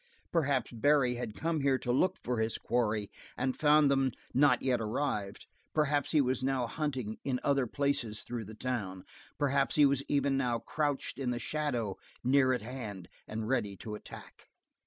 Perhaps Barry had come here to look for his quarry and found them not yet arrived; perhaps he was now hunting in other places through the town; perhaps he was even now crouched in the shadow near at hand and ready to attack.